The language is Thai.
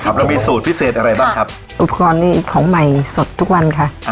เรามีสูตรพิเศษอะไรบ้างครับอุปกรณ์นี้ของใหม่สดทุกวันค่ะ